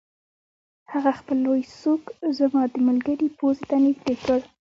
هغه خپل لوی سوک زما د ملګري پوزې ته نږدې کړ